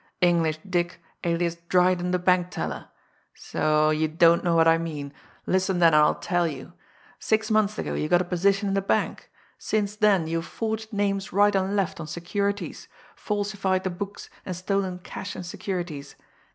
"English Dick, alias Dryden, the bank teller! So, you don't know what I mean! Listen, then, and I'll tell you! Six months ago you got a position in the bank. Since then you've forged names right and left on securities, falsified the books, and stolen cash and securities.